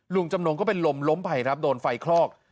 ลุงจำนงก็เป็นลมล้มไปครับโดนไฟคลอก